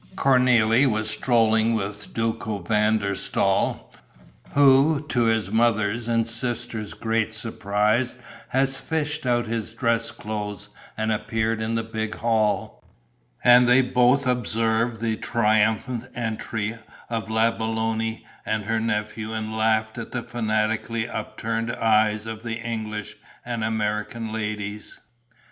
Cornélie was strolling with Duco van der Staal, who to his mother's and sisters' great surprise had fished out his dress clothes and appeared in the big hall; and they both observed the triumphant entry of la Belloni and her nephew and laughed at the fanatically upturned eyes of the English and American ladies.